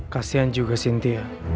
kasian juga sintia